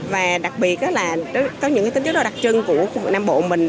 và đặc biệt là có những tính chất đặc trưng của khu vực nam bộ mình